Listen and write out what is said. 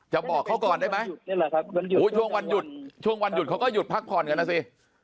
จะบอกเขาก่อนได้ไหมเนี่ยนะคะไม่ชวงวันหยุดจุดเขาก็ยุดพักผ่านกันน่ะสิ